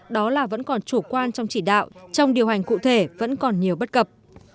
đó là vẫn còn chủ quan trong chỉ đạo trong điều hành cụ thể vẫn còn nhiều bất cập